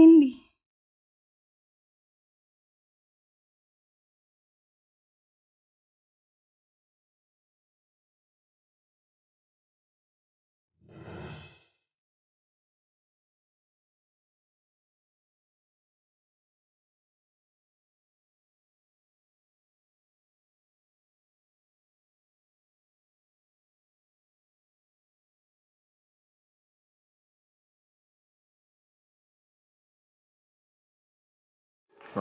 jadi aku bisa menghukumnya